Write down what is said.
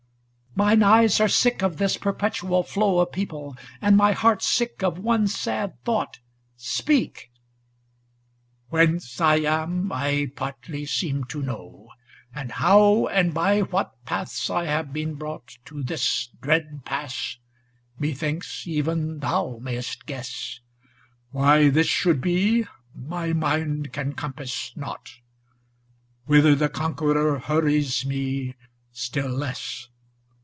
*Mine eyes are sick of this perpetual flow Of people, and my heart sick of one sad thought ŌĆö Speak !' ŌĆö * Whence I am, I partly seem to know, 300 * And how and by what paths I have been brought To this dread pass, methinks even thou mayst guess. Why this should be, my mind can compass not; ' Whither the conqueror hurries me, still less.